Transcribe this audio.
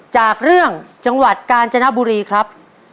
จากเรื่องจังหวัดกาญจนบุรีครับ